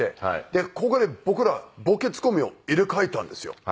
でここで僕らボケツッコミを入れ替えたんですよ。